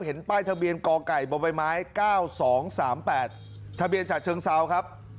ป้ายทะเบียนกไก่บใบไม้๙๒๓๘ทะเบียนฉะเชิงเซาครับ